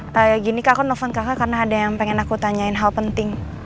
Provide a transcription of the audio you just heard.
kayak gini kak aku nelfon kakak karena ada yang pengen aku tanyain hal penting